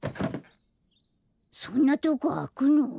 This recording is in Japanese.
そんなとこあくの？